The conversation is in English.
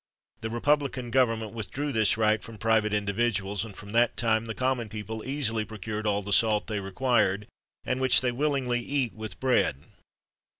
The republican government withdrew this right from private individuals, and from that time the common people easily procured all the salt they required, and which they willingly eat with bread.